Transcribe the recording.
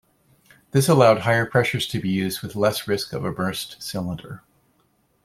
This allowed higher pressures to be used with less risk of a burst cylinder.